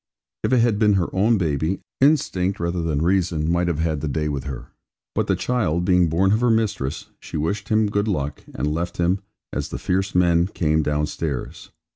If it had been her own baby, instinct rather than reason might have had the day with her; but the child being born of her mistress, she wished him good luck, and left him, as the fierce men came downstairs.